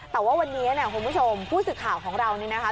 แต่ว่าวันนี้เนี่ยคุณผู้ชมผู้สื่อข่าวของเรานี่นะคะ